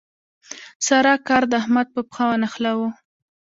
سارا کار د احمد په پښه ونښلاوو.